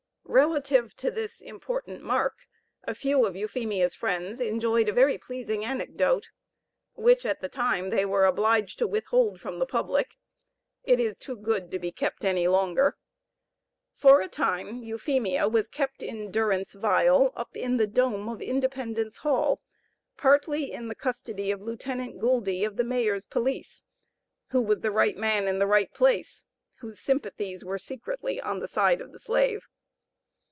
Relative to this important mark, a few of Euphemia's friends enjoyed a very pleasing anecdote, which, at the time, they were obliged to withhold from the public; it is too good to be kept any longer. For a time, Euphemia was kept in durance vile, up in the dome of Independence Hall, partly in the custody of Lieutenant Gouldy of the Mayor's police, (who was the right man in the right place), whose sympathies were secretly on the side of the slave.